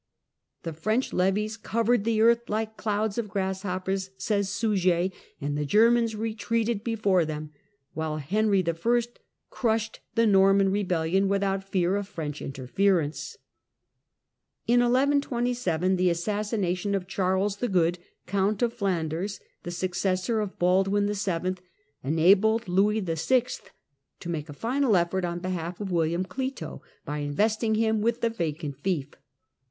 The French levies "covered the earth like clouds of grasshoppers," says Suger, and the Germans retreated before them, while Henry I. crushed the Norman rebellion without fear of French interference. In 1127 the assassination of Charles the Good, Count of Flanders, the successor of Baldwin YIL, enabled Louis VI. to make a final effort on behalf of William Clito by investing him with the vacant fief.